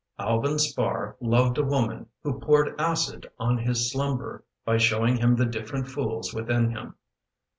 " Alvin Spar loved a woman Who poured acid on his slumber By showing him the different fools within him.